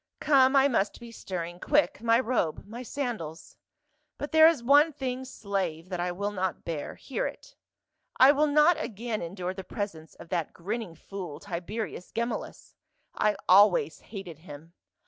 Come, I must be stirring ; quick, my robe, my sandals. But there is one thing, slave, that I will not bear, hear it ; I will not again endure the presence of that grinning fool, Tiberius Gemellus ; I always hated him.